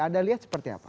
anda lihat seperti apa